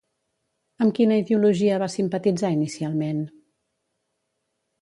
Amb quina ideologia va simpatitzar inicialment?